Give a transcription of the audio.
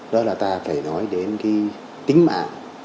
đó là ta phải nói đến cái tính mạng